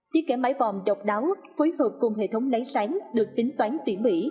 tiết kế máy vòng độc đáo phối hợp cùng hệ thống náy sáng được tính toán tỉ mỉ